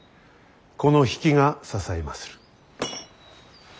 この比企が支えまする。